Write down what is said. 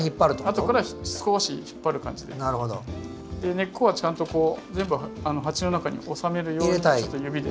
根っこはちゃんと全部鉢の中に収めるように指で。